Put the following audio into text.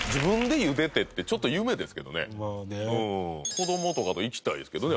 子どもとかと行きたいですけどね